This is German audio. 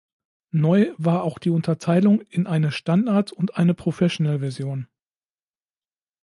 Neu war auch die Unterteilung in eine Standard- und eine Professional-Version.